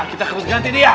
kita harus ganti dia